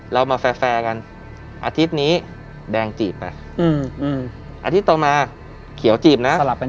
เรามาแฟร์กันอาทิตย์นี้แดงจีบไปอาทิตย์ต่อมาเขียวจีบนะสลับกัน